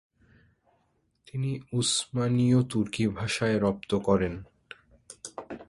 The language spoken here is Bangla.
তিনি উসমানীয় তুর্কি ভাষায় রপ্ত করেন।